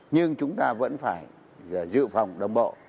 nhưng chúng ta vẫn phải dự phòng đồng bộ